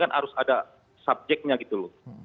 kan harus ada subjeknya gitu loh